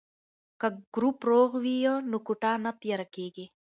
که ګروپ روغ وي نو کوټه نه تیاره کیږي.